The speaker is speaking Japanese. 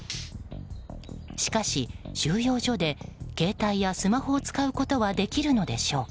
しかし、収容所で携帯やスマホを使うことができるのでしょうか。